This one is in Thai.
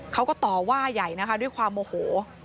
เขาก็ต่อว่าใหญ่นะคะด้วยความโมโห